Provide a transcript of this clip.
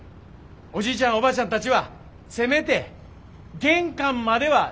おじいちゃんおばあちゃんたちはせめて玄関までは出てきてください。